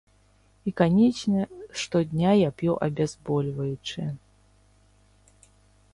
І, канечне, штодня я п'ю абязбольваючыя.